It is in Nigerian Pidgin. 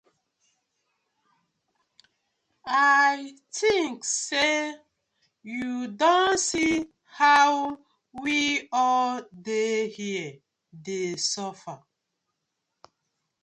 I tink say yu don see how we all dey here dey suffer.